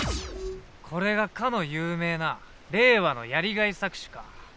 これがかの有名な令和のやりがい搾取か。